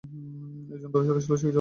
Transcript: এই যন্ত্র ছাড়া শল্যচিকিৎসা অসম্ভব।